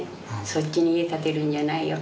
そっちに家建てるんじゃないよ